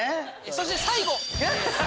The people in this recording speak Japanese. そして最後。